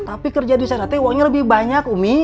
tapi kerja disana teh uangnya lebih banyak umi